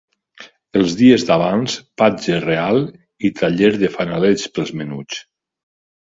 Els dies d'abans: patge real i taller de fanalets pels menuts.